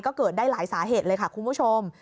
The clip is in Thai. ก็เกิดได้หลายสาเหตุเลยค่ะคุณผู้ชม